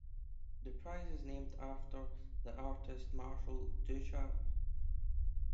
The prize is named after the artist Marcel Duchamp.